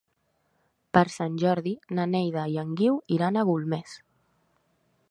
Per Sant Jordi na Neida i en Guiu iran a Golmés.